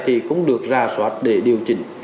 thì không được ra soát để điều chỉnh